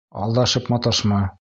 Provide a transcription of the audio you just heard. — Алдашып маташма!